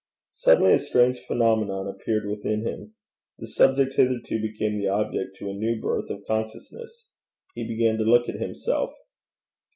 Suddenly a strange phenomenon appeared within him. The subject hitherto became the object to a new birth of consciousness. He began to look at himself.